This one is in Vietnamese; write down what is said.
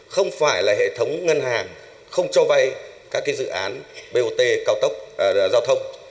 không phải là hệ thống ngân hàng không cho vay các dự án bot cao tốc giao thông